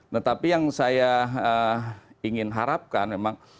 nah tapi yang saya ingin harapkan memang